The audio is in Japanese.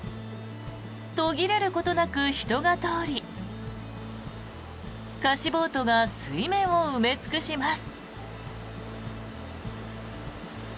途切れることなく人が通り貸しボートが水面を埋め尽くします。